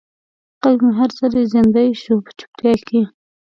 غږ مې هر ځلې زندۍ شو په چوپتیا کې